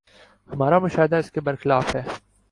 ہمارا مشاہدہ اس کے بر خلاف ہے۔